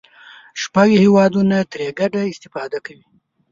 شپږ هېوادونه ترې ګډه استفاده کوي.